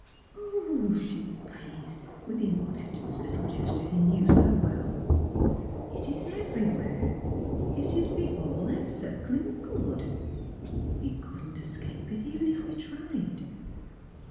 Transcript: "" Oh! " she breathed, with the impetuous little gesture he knew so well. " It is everywhere! It is the All Encircling Good. We couldn't escape it even if we tried